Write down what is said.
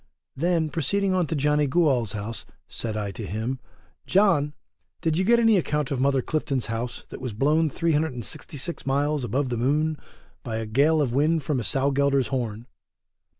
Then proceeding on to Johnny Gooal's house, said I to him, John, did you get any account of Mother Clifton's house, that was blown 366 miles above the moon by a gale of wind from a sow gelder's horn.